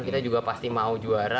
kita juga pasti mau juara